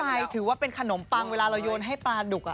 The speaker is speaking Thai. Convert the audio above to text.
หมายถือว่าเป็นขนมปังเวลาเราโยนให้ปลาดุก